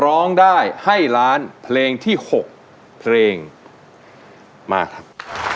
ร้องได้ให้ล้านเพลงที่๖เพลงมาครับ